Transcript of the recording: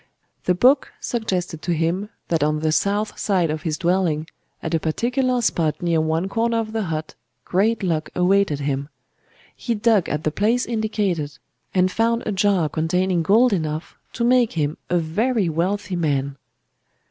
The book suggested to him that on the south side of his dwelling, at a particular spot near one corner of the hut, great luck awaited him. He dug at the place indicated, and found a jar containing gold enough to make him a very wealthy man."